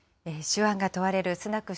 手腕が問われるスナク